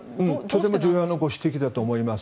それも重要なご指摘だと思います。